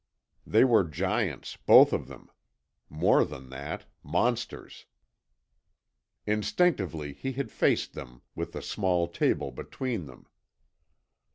They were giants, both of them: more than that monsters. Instinctively he had faced them with the small table between them.